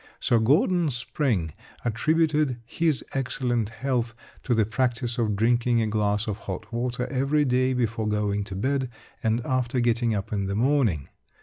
Sir Gordon Spring attributed his excellent health to the practice of drinking a glass of hot water every day before going to bed and after getting up in the morning.